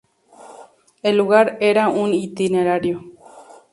El lugar era un itinerario.